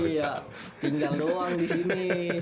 iya tinggal doang di sini